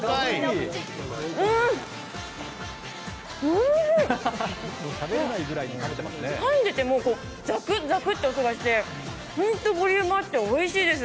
うーん！かんでいてもザクザクって音がして本当にボリュームがあっておいしいです。